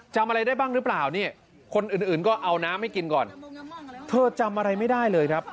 จำอะไรได้บ้างหรือเปล่านี่คนอื่นอื่นก็เอาน้ำให้กินก่อนเธอจำอะไรไม่ได้เลยครับ